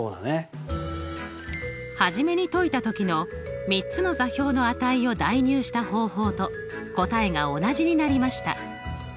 初めに解いた時の３つの座標の値を代入した方法と答えが同じになりました。